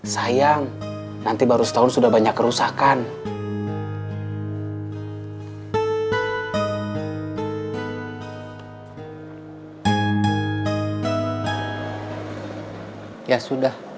sayang nanti baru setahun sudah banyak kerusakan ya sudah